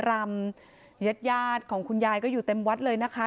รำญาติยาดของคุณยายก็อยู่เต็มวัดเลยนะคะ